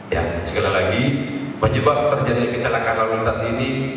ya sekali lagi penyebab terjadinya kecelakaan lalu lintas ini